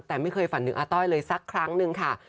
แต่ไม่เคยฝันถึงอาต้อยเลยสักครั้งหนึ่งค่ะ